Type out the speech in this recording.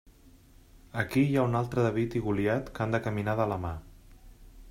Aquí hi ha un altre David i Goliat que han de caminar de la mà.